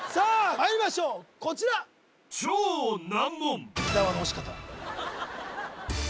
まいりましょうこちら伊沢の押し方